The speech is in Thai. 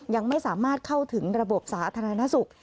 ยังไม่สามารถเข้าถึงระบบสาธารณสุข